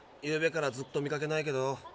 ゆうべからずっと見かけないけど。